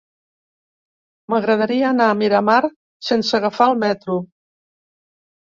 M'agradaria anar a Miramar sense agafar el metro.